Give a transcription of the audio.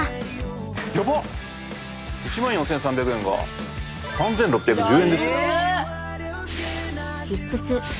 １万４，３００円が３，６１０円ですよ。